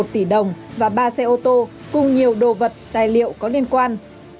một tỷ đồng và ba xe ô tô cùng nhiều đồ vật tài liệu có liên quan